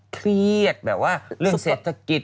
เตรียดเรื่องเศษฐะกิจ